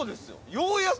ようやく。